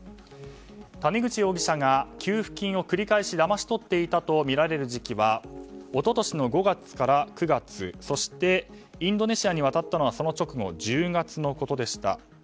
谷口容疑者が給付金を繰り返しだまし取っていたとみられる時期は一昨年の５月から９月そしてインドネシアに渡ったのはその直後、１０月のことでした。